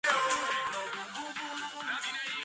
ჰარარის რეგიონის ადმინისტრაციული ცენტრი.